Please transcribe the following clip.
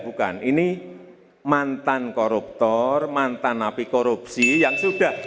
bukan ini mantan koruptor mantan api korupsi yang sudah